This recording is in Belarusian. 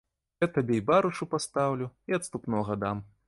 Я табе і барышу пастаўлю, і адступнога дам.